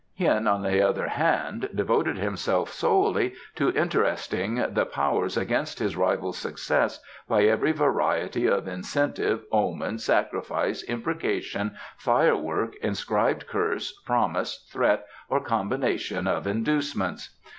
Hien, on the other hand, devoted himself solely to interesting the Powers against his rival's success by every variety of incentive, omen, sacrifice, imprecation, firework, inscribed curse, promise, threat or combination of inducements.